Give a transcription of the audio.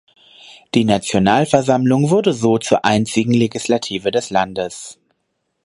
Die Nationalversammlung wurde so zur einzigen Legislative des Landes.